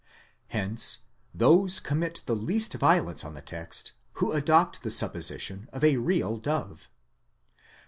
Hence those commit the least violence on the text, who adopt the supposition of a real dove.